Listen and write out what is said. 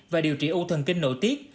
và điều trị u thần kinh nội tiết